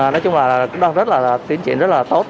nói chung là tiến triển rất là tốt